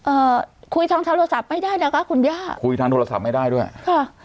เอ่อคุยทางโทรศัพท์ไม่ได้นะคะคุณย่าคุยทางโทรศัพท์ไม่ได้ด้วยค่ะ